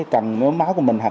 cần máu của mình